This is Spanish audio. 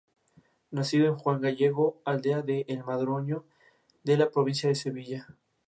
Nacido en Juan Gallego, aldea de El Madroño, de la provincia de Sevilla.